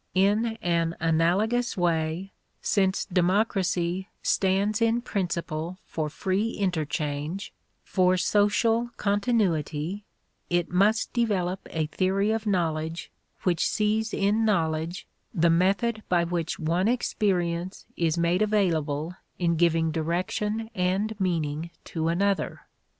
In an analogous way, since democracy stands in principle for free interchange, for social continuity, it must develop a theory of knowledge which sees in knowledge the method by which one experience is made available in giving direction and meaning to another.